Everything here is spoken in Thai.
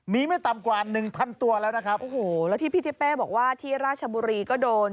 มีไม่ต่ำกว่าหนึ่งพันตัวแล้วนะครับโอ้โหแล้วที่พี่ทิเป้บอกว่าที่ราชบุรีก็โดน